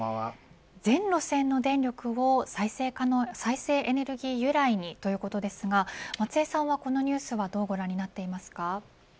全路線の電力を再生可能再生エネルギー由来にということですが松江さんはどうご覧になっていますか。